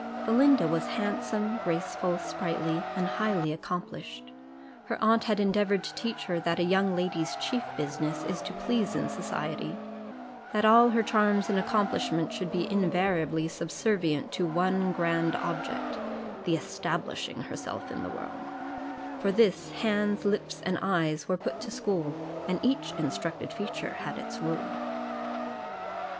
Belinda was handsome, graceful, sprightly, and highly accomplished; her aunt had endeavoured to teach her that a young lady's chief business is to please in society, that all her charms and accomplishments should be invariably subservient to one grand object the establishing herself in the world: "For this, hands, lips, and eyes were put to school, And each instructed feature had its rule."